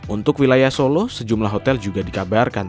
untuk wilayah solo sejumlah hotel juga dikabarkan